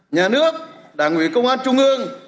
nhà nước đảng ủy công an trung ương